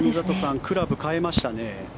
今、クラブ変えましたね。